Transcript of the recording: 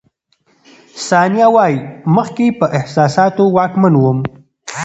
ثانیه وايي، مخکې په احساساتو واکمن وم.